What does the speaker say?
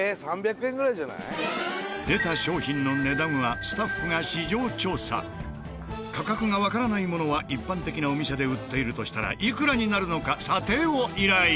出た価格がわからないものは一般的なお店で売っているとしたらいくらになるのか査定を依頼。